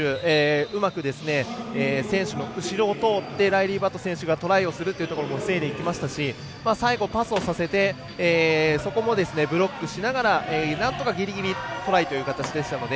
うまく選手の後ろを通ってライリー・バット選手がトライをするというところを防いでいきましたし最後、パスをさせてそこもブロックしながらなんとかギリギリトライという形でしたので。